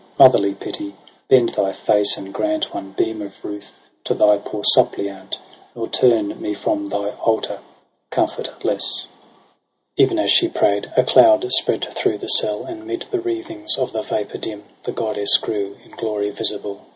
Motherly pity, bend thy face and grant One beam of ruth to thy poor suppliant. Nor turn me from thine altar comfortless/ Even as she pray'd a cloud spread through the cell. And 'mid the wreathings of the vapour dim The goddess grew in glory visible.